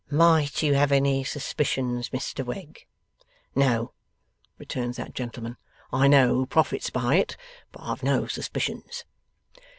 'Might you have any suspicions, Mr Wegg?' 'No,' returns that gentleman. 'I know who profits by it. But I've no suspicions.